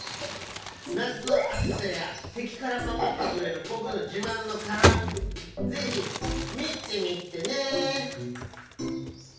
なつのあつさやてきからまもってくれるぼくのじまんのからぜひみてみてね！